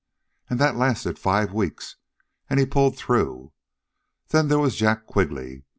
An' that lasted five weeks, an' HE pulled through. Then there was Jack Quigley.